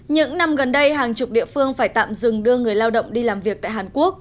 những năm gần đây hàng chục địa phương phải tạm dừng đưa người lao động đi làm việc tại hàn quốc